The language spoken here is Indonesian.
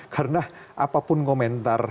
karena apapun komentar